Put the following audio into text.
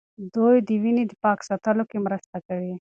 دوی د وینې پاک ساتلو کې مرسته کوي.